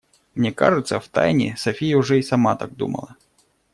Мне кажется, втайне София уже и сама так думала.